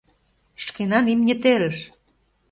Шкенан имне терыш.